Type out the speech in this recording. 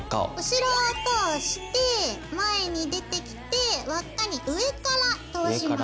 後ろを通して前に出てきて輪っかに上から通します。